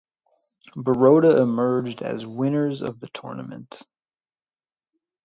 Baroda emerged as winners of the tournament.